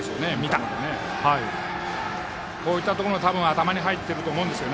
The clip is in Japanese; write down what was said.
こういったところも多分頭に入っていると思うんですね